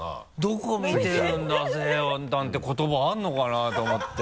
「どこ見てるんだぜぇ！」なんて言葉あるのかな？と思って。